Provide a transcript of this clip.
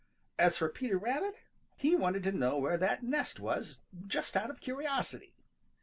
As for Peter Rabbit, he wanted to know where that nest was just out of curiosity.